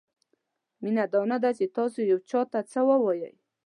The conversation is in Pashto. مینه دا نه ده چې تاسو یو چاته څه ووایئ.